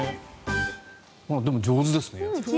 でも、上手ですね。